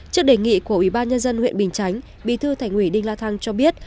trước đề nghị của ủy ban nhân dân huyện bình chánh bí thư thành ủy đinh la thăng cho biết